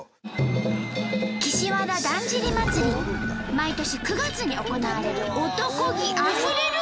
毎年９月に行われる男気あふれるお祭り。